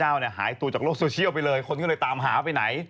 หายตัวจากโลกโซเชียลไปเลยคนก็เลยตามหาไปไหน